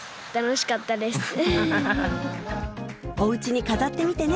おうちに飾ってみてね